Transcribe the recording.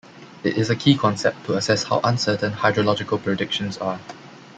It is a key concept to assess how uncertain hydrological predictions are.